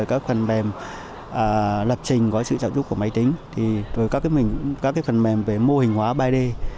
các phần mềm lập trình có sự trạng dụng của máy tính các phần mềm mô hình hóa ba d